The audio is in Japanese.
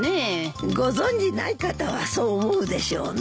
ご存じない方はそう思うでしょうね。